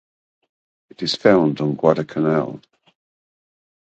It is found on Guadalcanal.